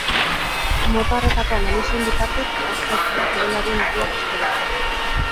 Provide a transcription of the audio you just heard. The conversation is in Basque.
Mota horretako analisien bitartez aztertzea kirolarien erdiak espero da.